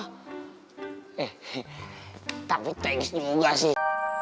eh tapi tegis juga sih